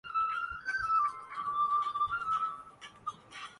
ذخیرہ الفاظ رکھتا ہوں